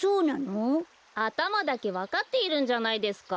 あたまだけわかっているんじゃないですか？